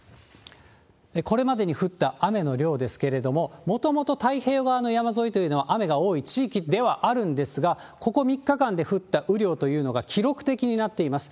これまでに降った雨の量ですけれども、もともと太平洋側の山沿いというのは雨が多い地域ではあるんですが、ここ３日間で降った雨量というのが記録的になっています。